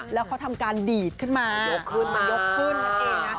แล้วเขาทำการดีดขึ้นมายกขึ้นมายกขึ้นนั่นเองนะ